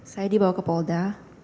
saya dibawa ke polda